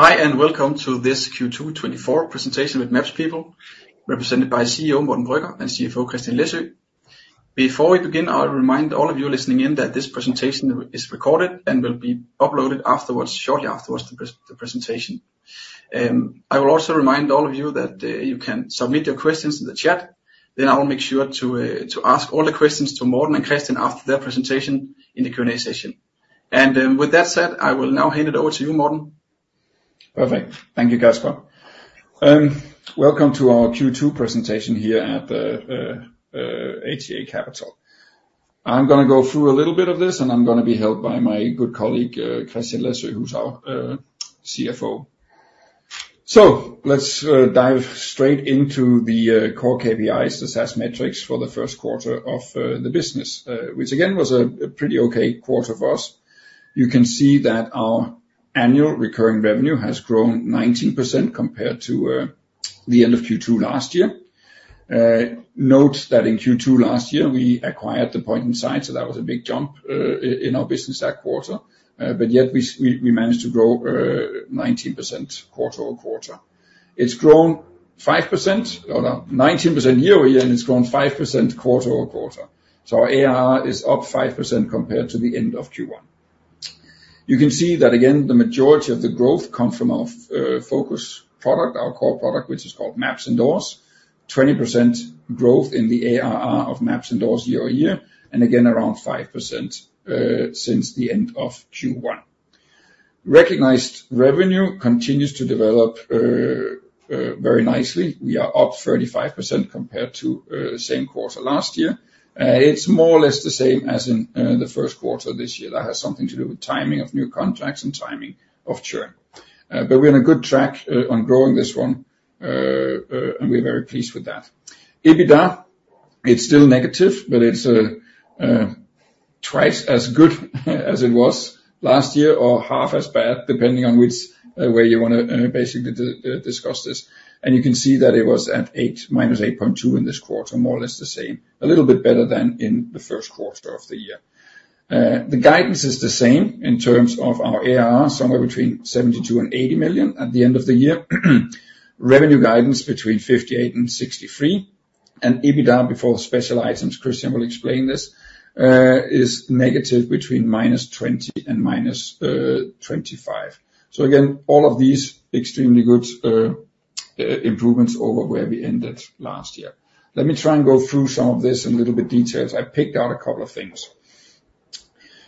Hi, and welcome to this Q2 twenty-four presentation with MapsPeople, represented by CEO Morten Brøgger and CFO Christian Læsø. Before we begin, I'll remind all of you listening in that this presentation is recorded and will be uploaded afterwards, shortly afterwards the presentation. I will also remind all of you that you can submit your questions in the chat, then I will make sure to ask all the questions to Morten and Christian after their presentation in the Q&A session. With that said, I will now hand it over to you, Morten. Perfect. Thank you, Casper. Welcome to our Q2 presentation here at the HCA Capital. I'm gonna go through a little bit of this, and I'm gonna be helped by my good colleague, Christian Læsø, who's our CFO. So let's dive straight into the core KPIs, the SaaS metrics for the first quarter of the business, which again, was a pretty okay quarter for us. You can see that our annual recurring revenue has grown 19% compared to the end of Q2 last year. Note that in Q2 last year, we acquired the Point Inside, so that was a big jump in our business that quarter. But yet, we managed to grow 19%, quarter over quarter. It's grown 5%, Oh, no, 19% year over year, and it's grown 5% quarter over quarter. So our ARR is up 5% compared to the end of Q1. You can see that again, the majority of the growth come from our, focus product, our core product, which is called MapsIndoors. 20% growth in the ARR of MapsIndoors year over year, and again, around 5%, since the end of Q1. Recognized revenue continues to develop, very nicely. We are up 35% compared to, same quarter last year. It's more or less the same as in, the first quarter this year. That has something to do with timing of new contracts and timing of churn. But we're on a good track, on growing this one, and we're very pleased with that. EBITDA, it's still negative, but it's twice as good as it was last year, or half as bad, depending on which way you wanna basically discuss this. You can see that it was at minus 8.2 in this quarter, more or less the same. A little bit better than in the first quarter of the year. The guidance is the same in terms of our ARR, somewhere between 72 and 80 million DKK at the end of the year. Revenue guidance between 58 and 63 million DKK, and EBITDA before special items, Christian will explain this, is negative between minus 20 and minus 25 million DKK. Again, all of these extremely good improvements over where we ended last year. Let me try and go through some of this in a little bit of detail. I picked out a couple of things.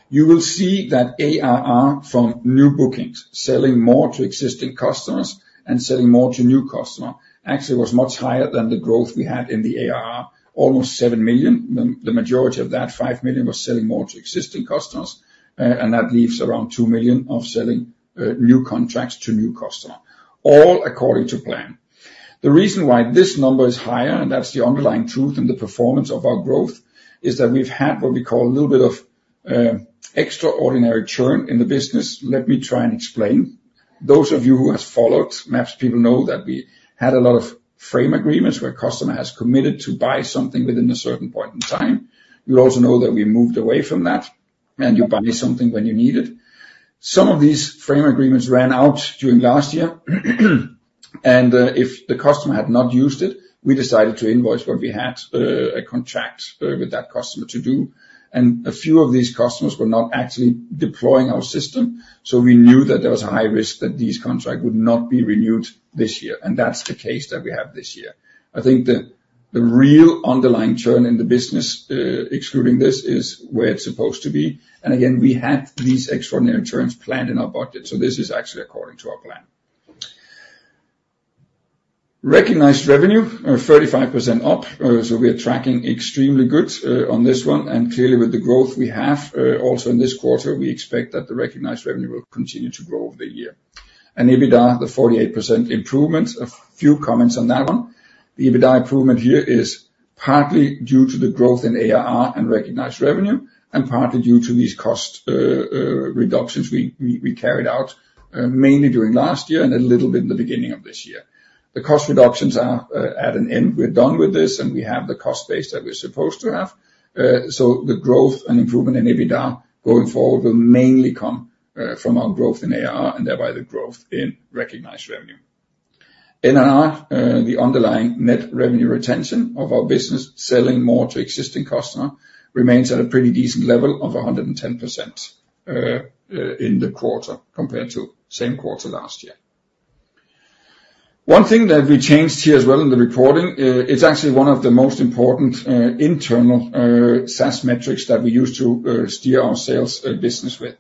You will see that ARR from new bookings, selling more to existing customers and selling more to new customer, actually was much higher than the growth we had in the ARR, almost seven million. The majority of that, five million, was selling more to existing customers, and that leaves around two million of selling new contracts to new customer, all according to plan. The reason why this number is higher, and that's the underlying truth in the performance of our growth, is that we've had what we call a little bit of extraordinary churn in the business. Let me try and explain. Those of you who has followed MapsPeople know that we had a lot of frame agreements, where customer has committed to buy something within a certain point in time. You also know that we moved away from that, and you buy something when you need it. Some of these frame agreements ran out during last year, and, if the customer had not used it, we decided to invoice what we had, a contract, with that customer to do. And a few of these customers were not actually deploying our system, so we knew that there was a high risk that these contracts would not be renewed this year, and that's the case that we have this year. I think the real underlying churn in the business, excluding this, is where it's supposed to be. And again, we had these extraordinary churns planned in our budget, so this is actually according to our plan. Recognized revenue 35% up, so we are tracking extremely good on this one. Clearly, with the growth we have also in this quarter, we expect that the recognized revenue will continue to grow over the year. EBITDA, the 48% improvement, a few comments on that one. The EBITDA improvement here is partly due to the growth in ARR and recognized revenue, and partly due to these cost reductions we carried out mainly during last year and a little bit in the beginning of this year. The cost reductions are at an end. We're done with this, and we have the cost base that we're supposed to have. The growth and improvement in EBITDA going forward will mainly come from our growth in ARR, and thereby the growth in recognized revenue. NRR, the underlying net revenue retention of our business, selling more to existing customer, remains at a pretty decent level of 110%, in the quarter, compared to same quarter last year. One thing that we changed here as well in the reporting, it's actually one of the most important, internal, SaaS metrics that we use to, steer our sales, business with,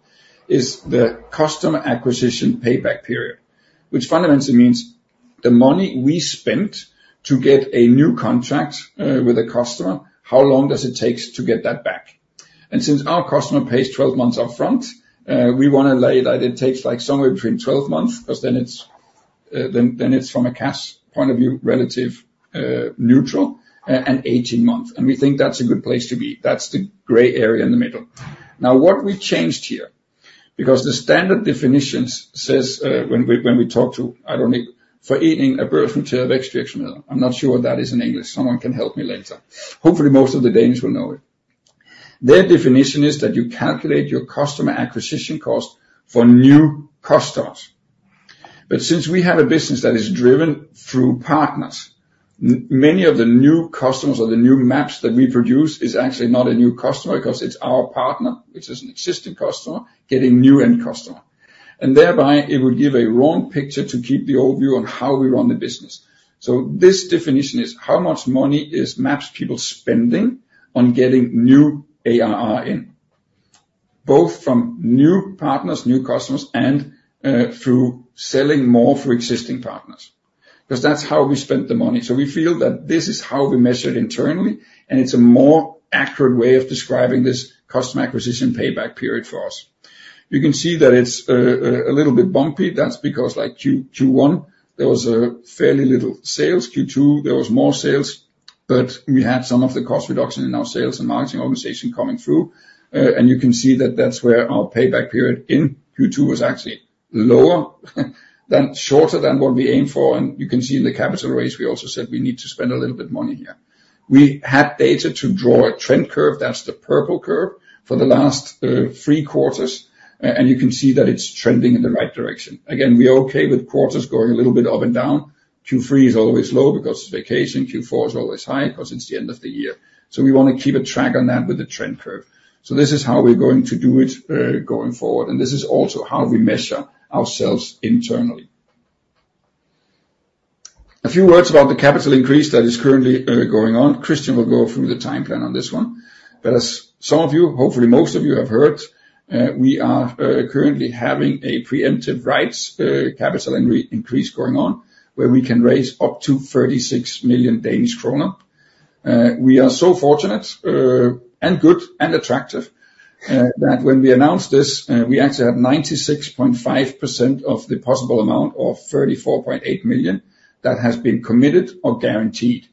is the customer acquisition payback period, which fundamentally means the money we spent to get a new contract, with a customer, how long does it take to get that back? Since our customer pays twelve months up front, we wanna lay that it takes, like, somewhere between twelve months, cause then it's from a cash point of view, relative neutral, and eighteen months, and we think that's a good place to be. That's the gray area in the middle. Now, what we've changed here, because the standard definitions says, when we talk to, I don't know, for eating a bird from tail of extraction. I'm not sure what that is in English. Someone can help me later. Hopefully, most of the Danes will know it. Their definition is that you calculate your customer acquisition cost for new customers. But since we have a business that is driven through partners, many of the new customers or the new maps that we produce is actually not a new customer, because it's our partner, which is an existing customer, getting new end customer. And thereby, it would give a wrong picture to keep the old view on how we run the business. So this definition is, how much money is MapsPeople spending on getting new ARR in? Both from new partners, new customers, and through selling more through existing partners. Because that's how we spent the money. So we feel that this is how we measure it internally, and it's a more accurate way of describing this customer acquisition payback period for us. You can see that it's a little bit bumpy. That's because, like, Q1, there was fairly little sales. Q2, there was more sales, but we had some of the cost reduction in our sales and marketing organization coming through. And you can see that that's where our payback period in Q2 was actually lower, shorter than what we aimed for. And you can see in the capital raise, we also said we need to spend a little bit money here. We had data to draw a trend curve, that's the purple curve, for the last three quarters, and you can see that it's trending in the right direction. Again, we are okay with quarters going a little bit up and down. Q3 is always low because of vacation. Q4 is always high because it's the end of the year. So we want to keep a track on that with the trend curve. So this is how we're going to do it, going forward, and this is also how we measure ourselves internally. A few words about the capital increase that is currently going on. Christian will go through the time plan on this one. But as some of you, hopefully, most of you have heard, we are currently having a preemptive rights capital increase going on, where we can raise up to 36 million Danish kroner. We are so fortunate, and good, and attractive, that when we announced this, we actually have 96.5% of the possible amount of 34.8 million DKK that has been committed or guaranteed.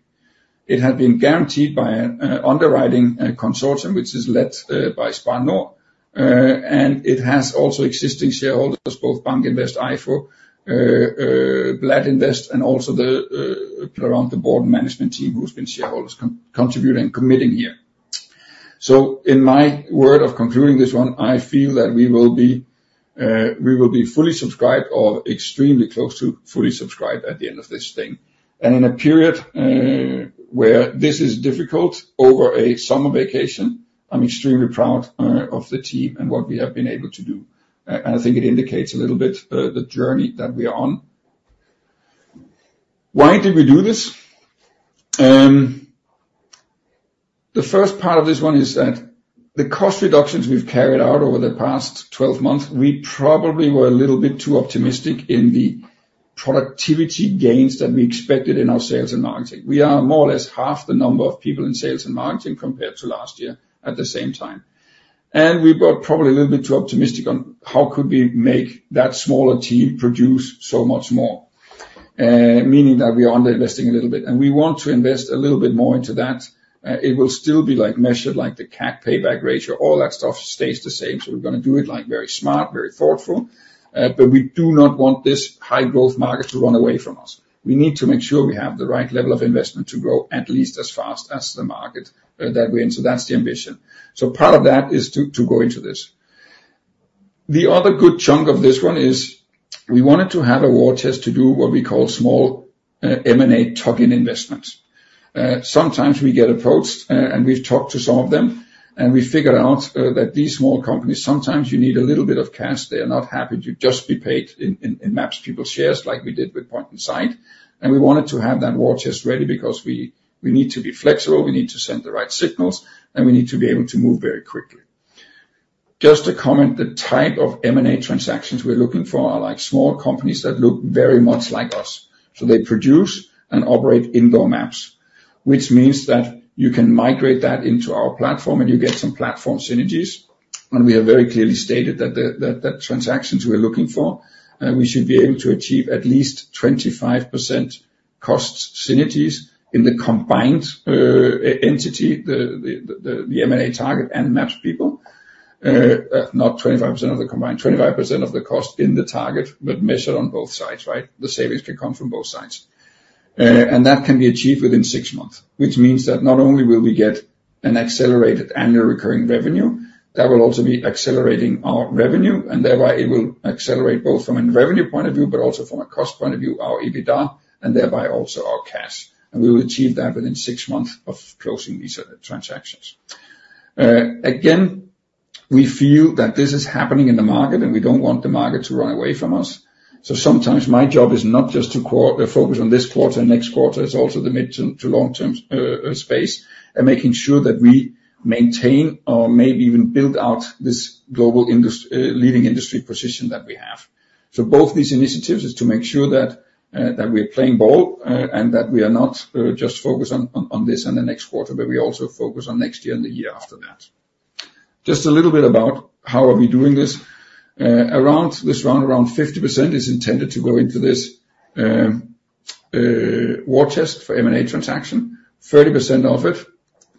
It had been guaranteed by an underwriting consortium, which is led by Spar Nord, and it has also existing shareholders, both BankInvest, EIFO, Bladt Invest, and also the people around the board and management team who's been shareholders contributing and committing here. In my word of concluding this one, I feel that we will be, we will be fully subscribed or extremely close to fully subscribed at the end of this thing. In a period where this is difficult over a summer vacation, I'm extremely proud of the team and what we have been able to do. I think it indicates a little bit the journey that we are on. Why did we do this? The first part of this one is that the cost reductions we've carried out over the past twelve months, we probably were a little bit too optimistic in the productivity gains that we expected in our sales and marketing. We are more or less half the number of people in sales and marketing compared to last year at the same time, and we were probably a little bit too optimistic on how could we make that smaller team produce so much more? Meaning that we are underinvesting a little bit, and we want to invest a little bit more into that. It will still be, like, measured, like the CAC payback ratio; all that stuff stays the same, so we're going to do it, like, very smart, very thoughtful, but we do not want this high growth market to run away from us. We need to make sure we have the right level of investment to grow at least as fast as the market that way, and so that's the ambition, so part of that is to go into this. The other good chunk of this one is we wanted to have a war chest to do what we call small M&A tuck-in investments. Sometimes we get approached, and we've talked to some of them, and we figured out that these small companies sometimes you need a little bit of cash. They are not happy to just be paid in MapsPeople shares, like we did with Point Inside, and we wanted to have that war chest ready because we need to be flexible, we need to send the right signals, and we need to be able to move very quickly. Just to comment, the type of M&A transactions we're looking for are, like, small companies that look very much like us. So they produce and operate indoor maps, which means that you can migrate that into our platform, and you get some platform synergies. And we have very clearly stated that the transactions we're looking for, we should be able to achieve at least 25% cost synergies in the combined entity, the M&A target and MapsPeople. Not 25% of the combined, 25% of the cost in the target, but measured on both sides, right? The savings can come from both sides. And that can be achieved within six months, which means that not only will we get an accelerated Annual Recurring Revenue, that will also be accelerating our revenue, and thereby it will accelerate both from a revenue point of view, but also from a cost point of view, our EBITDA, and thereby also our cash. And we will achieve that within six months of closing these transactions. Again, we feel that this is happening in the market, and we don't want the market to run away from us. So sometimes my job is not just to focus on this quarter, next quarter, it's also the mid to long-term space, and making sure that we maintain or maybe even build out this global industry-leading position that we have. So both these initiatives is to make sure that that we are playing ball and that we are not just focused on this and the next quarter, but we also focus on next year and the year after that. Just a little bit about how are we doing this. Around this round, around 50% is intended to go into this war chest for M&A transaction, 30% of it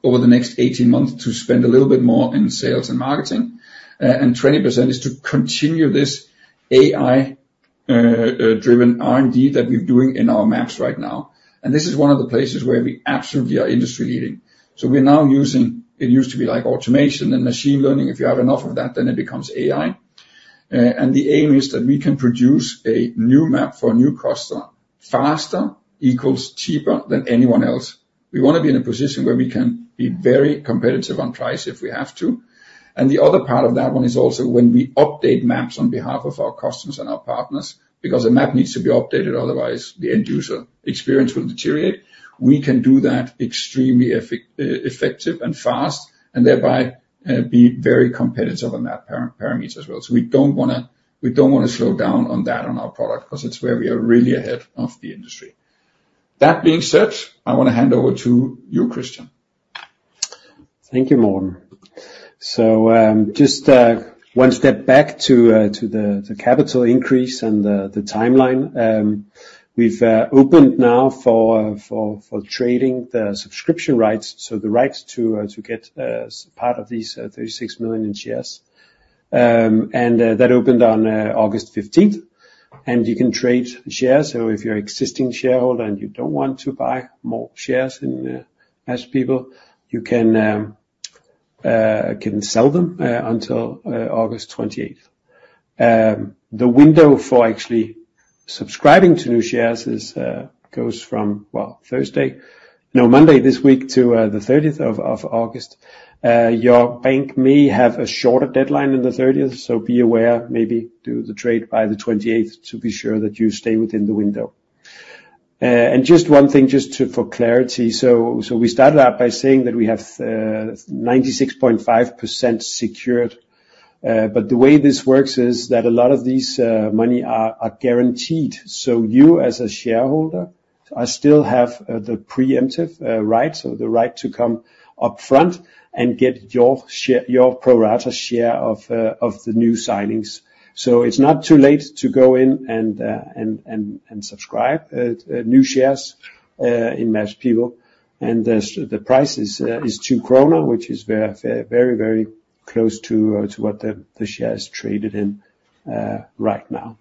over the next 18 months to spend a little bit more in sales and marketing, and 20% is to continue this AI-driven R&D that we're doing in our maps right now. And this is one of the places where we absolutely are industry leading. So we are now using, it used to be like automation and machine learning. If you have enough of that, then it becomes AI, and the aim is that we can produce a new map for a new customer, faster equals cheaper than anyone else. We want to be in a position where we can be very competitive on price, if we have to, and the other part of that one is also when we update maps on behalf of our customers and our partners, because a map needs to be updated, otherwise the end user experience will deteriorate. We can do that extremely effective and fast, and thereby be very competitive on that parameter as well, so we don't wanna slow down on that on our product, 'cause it's where we are really ahead of the industry. That being said, I want to hand over to you, Christian. Thank you, Morten. Just one step back to the capital increase and the timeline. We've opened now for trading the subscription rights, so the rights to get part of these thirty-six million in shares. And that opened on August fifteenth, and you can trade shares. So if you're existing shareholder and you don't want to buy more shares in MapsPeople, you can sell them until August twenty-eighth. The window for actually subscribing to new shares goes from Monday this week to the thirtieth of August. Your bank may have a shorter deadline than the thirtieth, so be aware. Maybe do the trade by the twenty-eighth to be sure that you stay within the window. Just one thing for clarity: So we started out by saying that we have 96.5% secured. But the way this works is that a lot of these money are guaranteed. So you, as a shareholder, still have the preemptive right, so the right to come upfront and get your share, your pro rata share of the new signings. So it's not too late to go in and subscribe new shares in MapsPeople. The price is 2 krone, which is very, very, very close to what the share is traded in right now.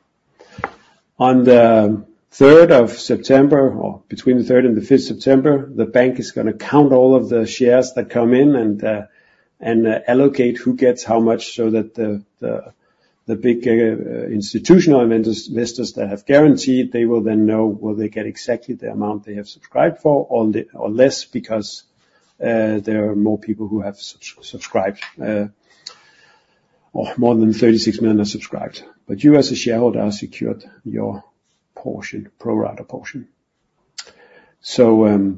On the third of September, or between the third and the fifth September, the bank is gonna count all of the shares that come in and allocate who gets how much, so that the big institutional investors that have guaranteed, they will then know will they get exactly the amount they have subscribed for, or less, because there are more people who have subscribed, or more than thirty-six million are subscribed. But you, as a shareholder, are secured your portion, pro rata portion. So,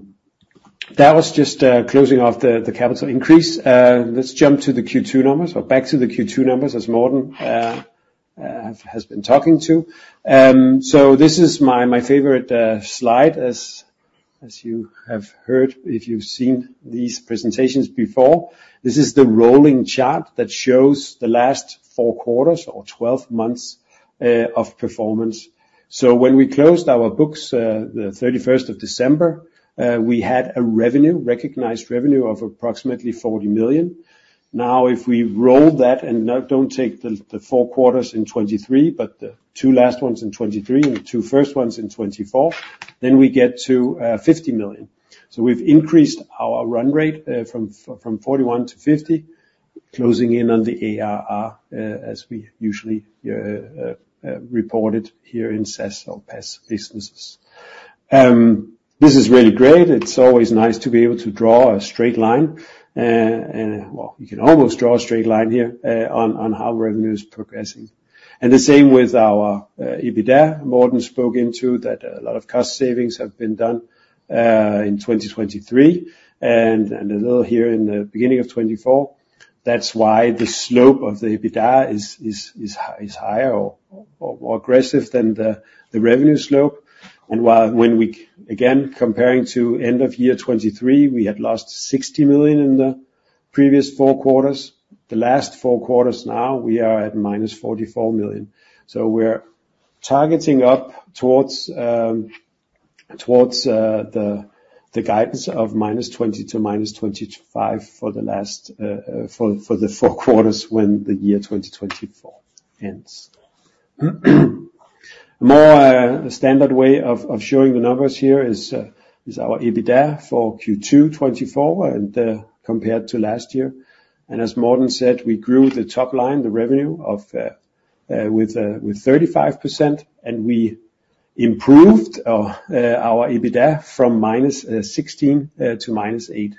that was just closing off the capital increase. Let's jump to the Q2 numbers or back to the Q2 numbers, as Morten has been talking to. So this is my favorite slide, as you have heard, if you've seen these presentations before. This is the rolling chart that shows the last four quarters or twelve months of performance. So when we closed our books, the thirty-first of December, we had a revenue, recognized revenue, of approximately 40 million. Now, if we roll that and don't take the four quarters in 2023, but the two last ones in 2023 and the two first ones in 2024, then we get to 50 million. So we've increased our run rate from 41 to 50, closing in on the ARR as we usually report it here in SaaS or PaaS businesses. This is really great. It's always nice to be able to draw a straight line. Well, you can almost draw a straight line here on how revenue is progressing, and the same with our EBITDA. Morten spoke to that a lot of cost savings have been done in 2023, and a little here in the beginning of 2024. That's why the slope of the EBITDA is higher or more aggressive than the revenue slope. And when we again, comparing to end of year 2023, we had lost 60 million in the previous four quarters. The last four quarters, now, we are at minus 44 million. So we're targeting up towards the guidance of minus 20 million to minus 25 million for the last four quarters when the year 2024 ends. More standard way of showing the numbers here is our EBITDA for Q2 2024 and compared to last year. As Morten said, we grew the top line, the revenue, with 35%, and we improved our EBITDA from -16 to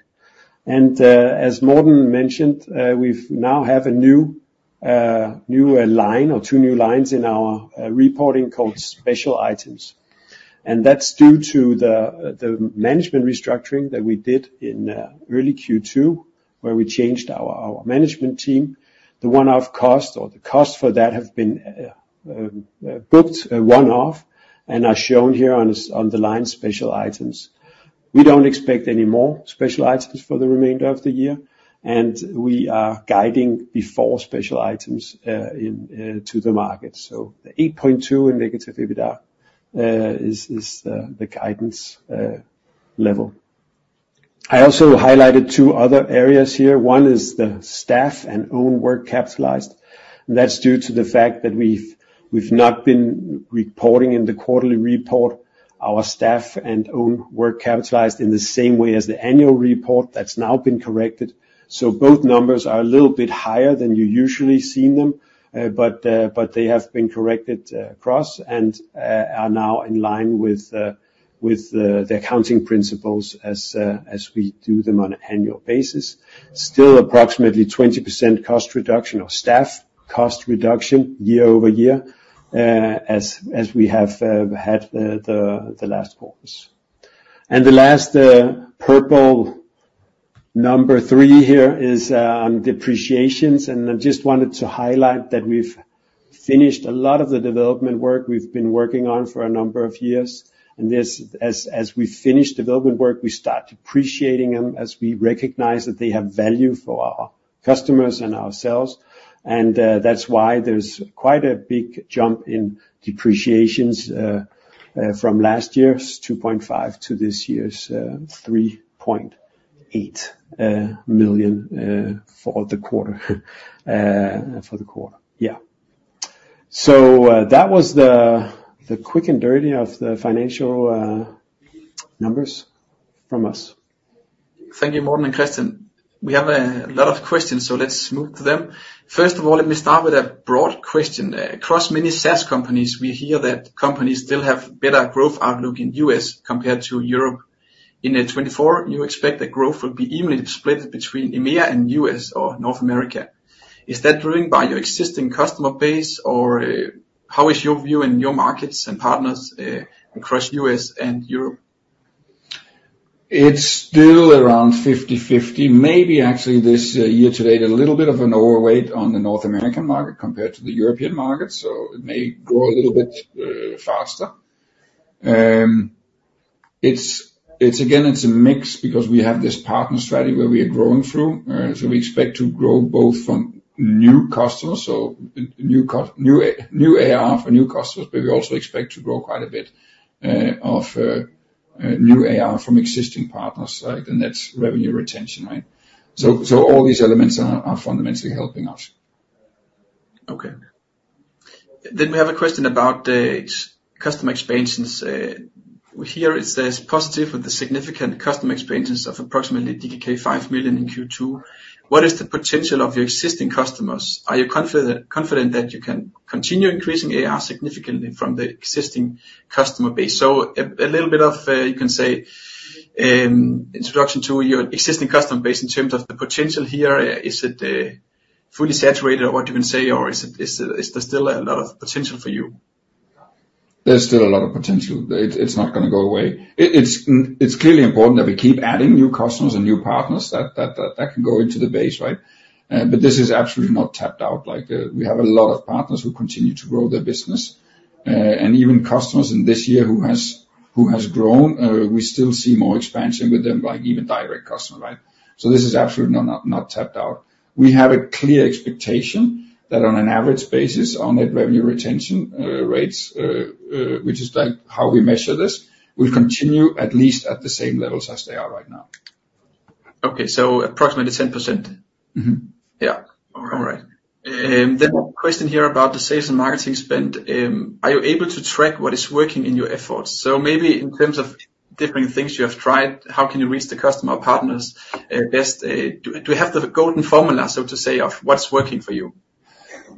-8. As Morten mentioned, we've now have a new line or two new lines in our reporting called special items. That's due to the management restructuring that we did in early Q2, where we changed our management team. The one-off cost or the cost for that have been booked one-off and are shown here on the line, special items. We don't expect any more special items for the remainder of the year, and we are guiding before special items into the market. The -8.2 EBITDA is the guidance level.... I also highlighted two other areas here. One is the staff and own work capitalized, and that's due to the fact that we've not been reporting in the quarterly report, our staff and own work capitalized in the same way as the annual report. That's now been corrected. So both numbers are a little bit higher than you usually seen them, but they have been corrected across and are now in line with the accounting principles as we do them on an annual basis. Still, approximately 20% cost reduction of staff, cost reduction year over year, as we have had the last quarters. And the last purple number three here is depreciations. I just wanted to highlight that we've finished a lot of the development work we've been working on for a number of years. And this, as we finish development work, we start appreciating them as we recognize that they have value for our customers and ourselves, and that's why there's quite a big jump in depreciations from last year's 2.5 million to this year's 3.8 million for the quarter. For the quarter. Yeah. So that was the quick and dirty of the financial numbers from us. Thank you, Morten and Christian. We have a lot of questions, so let's move to them. First of all, let me start with a broad question. Across many SaaS companies, we hear that companies still have better growth outlook in U.S. compared to Europe. In 2024, you expect that growth will be evenly split between EMEA and U.S. or North America. Is that driven by your existing customer base, or, how is your view in your markets and partners, across U.S. and Europe? It's still around fifty-fifty. Maybe actually, this year to date, a little bit of an overweight on the North American market compared to the European market, so it may grow a little bit faster. It's again, it's a mix because we have this partner strategy where we are growing through. So we expect to grow both from new customers, so new ARRfor new customers, but we also expect to grow quite a bit of new ARR from existing partners, like the net revenue retention, right? So all these elements are fundamentally helping us. Okay. Then we have a question about the customer expansions. Here it says, positive with the significant customer expansions of approximately DKK 5 million in Q2. What is the potential of your existing customers? Are you confident that you can continue increasing ARR significantly from the existing customer base? So, a little bit of, you can say, introduction to your existing customer base in terms of the potential here. Is it fully saturated, or what you can say, or is there still a lot of potential for you? There's still a lot of potential. It's not gonna go away. It's clearly important that we keep adding new customers and new partners that can go into the base, right? But this is absolutely not tapped out, like, we have a lot of partners who continue to grow their business, and even customers in this year who has grown, we still see more expansion with them, like even direct customer, right? So this is absolutely not tapped out. We have a clear expectation that on an average basis, on net revenue retention rates, which is like how we measure this, will continue at least at the same levels as they are right now. Okay. So approximately 10%? Mm-hmm. Yeah. All right. All right. Then one question here about the sales and marketing spend. Are you able to track what is working in your efforts? So maybe in terms of different things you have tried, how can you reach the customer or partners best? Do we have the golden formula, so to say, of what's working for you?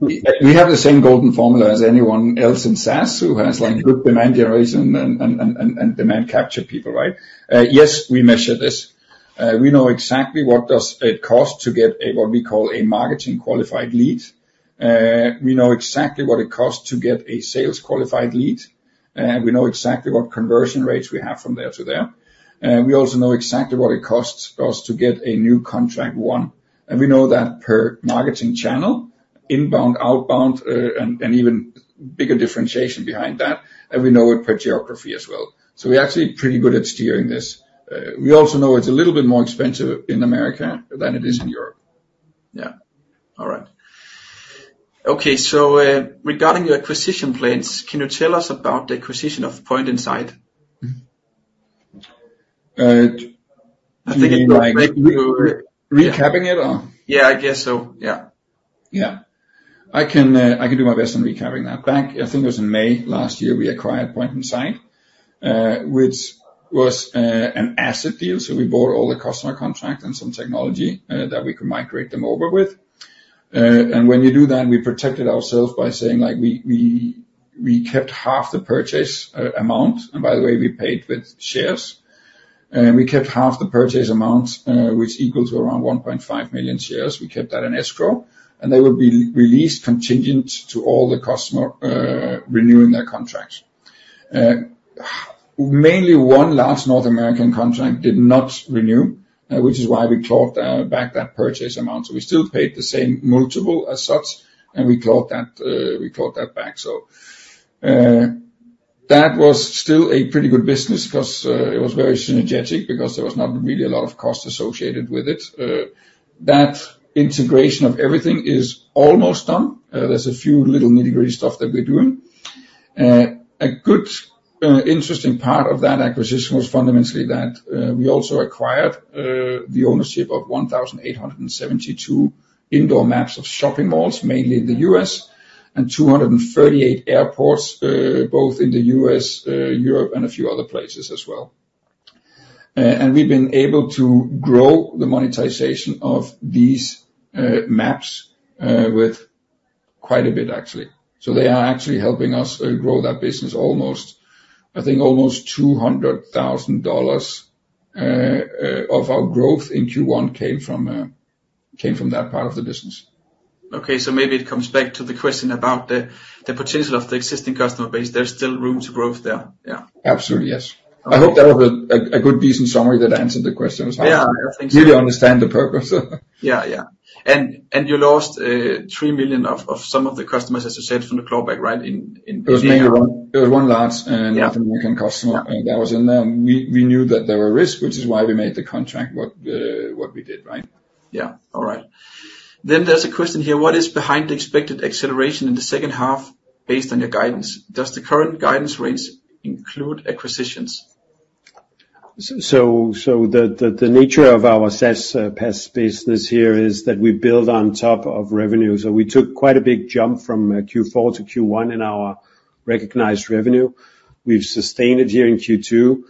We have the same golden formula as anyone else in SaaS who has like- Mm-hmm... good demand generation and demand capture people, right? Yes, we measure this. We know exactly what does it cost to get a, what we call a marketing qualified lead. We know exactly what it costs to get a sales qualified lead, and we know exactly what conversion rates we have from there to there. We also know exactly what it costs us to get a new contract won. We know that per marketing channel, inbound, outbound, and even bigger differentiation behind that, and we know it per geography as well. So we're actually pretty good at steering this. We also know it's a little bit more expensive in America than it is in Europe. Yeah. All right. Okay, so, regarding your acquisition plans, can you tell us about the acquisition of Point Inside? Mm-hmm. You mean like- I think it would make you- Recapping it or? Yeah, I guess so. Yeah. Yeah. I can do my best on recapping that. Back, I think it was in May last year, we acquired Point Inside, which was an asset deal, so we bought all the customer contracts and some technology that we could migrate them over with. And when you do that, we protected ourselves by saying, like we kept half the purchase amount, and by the way, we paid with shares. We kept half the purchase amount, which equals around 1.5 million shares. We kept that in escrow, and they would be released contingent to all the customers renewing their contracts. Mainly one large North American contract did not renew, which is why we clawed back that purchase amount. We still paid the same multiple as such, and we clawed that back. That was still a pretty good business 'cause it was very synergetic because there was not really a lot of cost associated with it. That integration of everything is almost done. There's a few little nitty-gritty stuff that we're doing. A good interesting part of that acquisition was fundamentally that we also acquired the ownership of 1,872 indoor maps of shopping malls, mainly in the U.S., and 238 airports, both in the U.S., Europe, and a few other places as well, and we've been able to grow the monetization of these maps with quite a bit, actually. So they are actually helping us grow that business almost. I think almost $200,000 of our growth in Q1 came from that part of the business. Okay, so maybe it comes back to the question about the potential of the existing customer base. There's still room to growth there? Yeah. Absolutely, yes. Okay. I hope that was a good, decent summary that answered the question as well. Yeah, I think so. Really understand the purpose. Yeah, yeah. And you lost three million of some of the customers, as you said, from the clawback, right? It was one large. Yeah A North American customer that was in there, and we knew that there were risks, which is why we made the contract what we did, right? Yeah. All right. There is a question here: What is behind the expected acceleration in the second half based on your guidance? Does the current guidance rates include acquisitions? So the nature of our SaaS PaaS business here is that we build on top of revenue. So we took quite a big jump from Q4 to Q1 in our recognized revenue. We've sustained it here in Q2.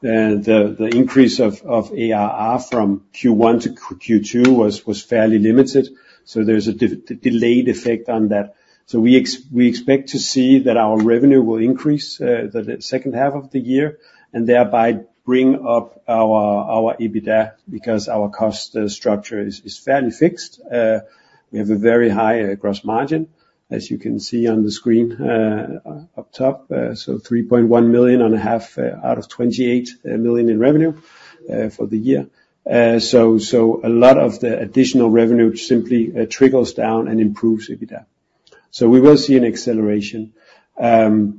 The increase of ARR from Q1 to Q2 was fairly limited, so there's a delayed effect on that. So we expect to see that our revenue will increase the second half of the year, and thereby bring up our EBITDA, because our cost structure is fairly fixed. We have a very high gross margin, as you can see on the screen up top. So 3.1 million and a half out of 28 million in revenue for the year. So a lot of the additional revenue simply trickles down and improves EBITDA. So we will see an acceleration. Our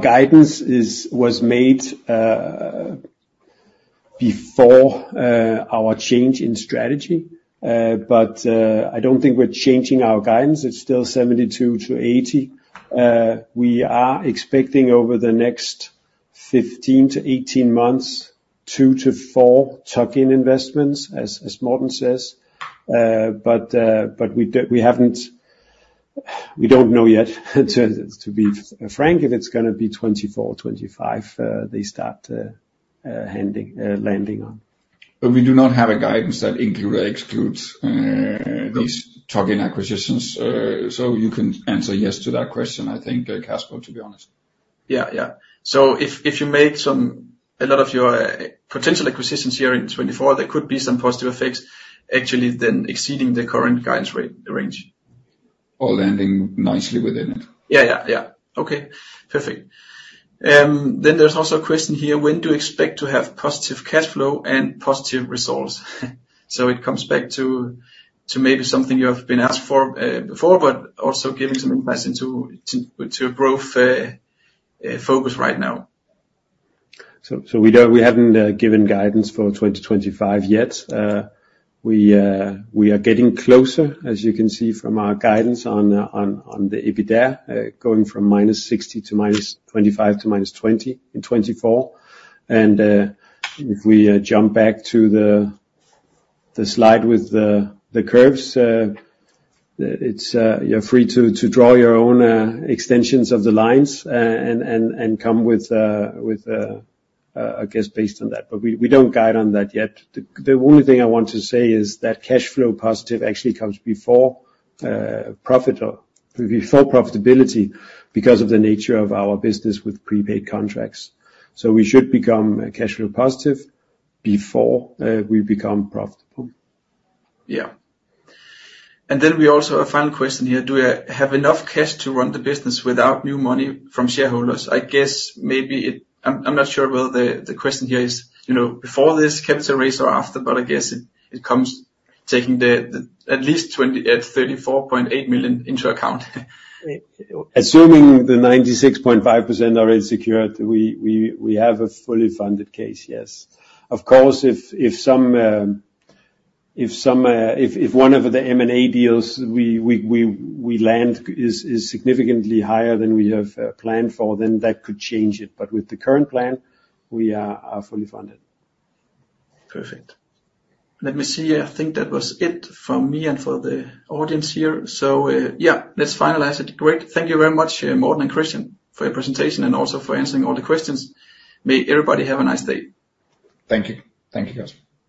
guidance is was made before our change in strategy, but I don't think we're changing our guidance. It's still 72-80. We are expecting over the next 15-18 months, 2-4 tuck-in investments, as Morten says. But we haven't. We don't know yet, to be frank, if it's gonna be 2024, 2025, they start handing landing on. But we do not have a guidance that include or excludes. No... these tuck-in acquisitions. So you can answer yes to that question, I think, Casper, to be honest. Yeah, yeah. So if you make some... A lot of your potential acquisitions here in 2024, there could be some positive effects actually then exceeding the current guidance range. Or landing nicely within it. Yeah, yeah, yeah. Okay, perfect. Then there's also a question here: When do you expect to have positive cash flow and positive results? So it comes back to maybe something you have been asked for before, but also giving some insight into growth focus right now. We don't, we haven't given guidance for 2025 yet. We are getting closer, as you can see from our guidance on the EBITDA going from minus 60 to minus 25 to minus 20 in 2024. If we jump back to the slide with the curves, it's, you're free to draw your own extensions of the lines and come with, I guess, based on that. We don't guide on that yet. The only thing I want to say is that cash flow positive actually comes before profit or before profitability because of the nature of our business with prepaid contracts. We should become cash flow positive before we become profitable. Yeah. And then we also have a final question here: Do I have enough cash to run the business without new money from shareholders? I guess maybe it... I'm not sure whether the question here is, you know, before this capital raise or after, but I guess it comes taking the at least 34.8 million into account. Assuming the 96.5% are already secured, we have a fully funded case, yes. Of course, if one of the M&A deals we land is significantly higher than we have planned for, then that could change it. But with the current plan, we are fully funded. Perfect. Let me see. I think that was it from me and for the audience here. So, yeah, let's finalize it. Great. Thank you very much, Morten and Christian, for your presentation and also for answering all the questions. May everybody have a nice day. Thank you. Thank you, guys.